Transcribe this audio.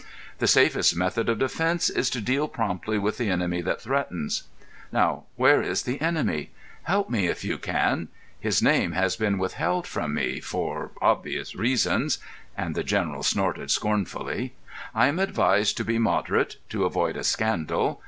The safest method of defence is to deal promptly with the enemy that threatens. Now, where is the enemy? Help me if you can. His name has been withheld from me—for obvious reasons"—and the General snorted scornfully. "I am advised to be moderate, to avoid a scandal.